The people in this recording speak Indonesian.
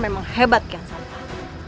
memang hebat kian sampah